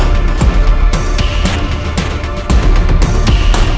mama belum berangkat